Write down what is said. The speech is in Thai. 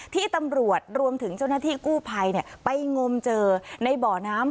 ที่ตำรวจรวมถึงเจ้าหน้าที่กู้ภัยไปงมเจอในบ่อน้ำ